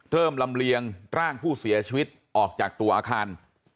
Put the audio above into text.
ลำเลียงร่างผู้เสียชีวิตออกจากตัวอาคาร